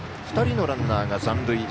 ２人のランナーが残塁。